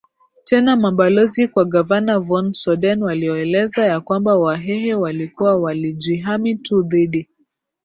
tena mabalozi kwa gavana von Soden walioeleza ya kwamba Wahehe walikuwa walijihami tu dhidi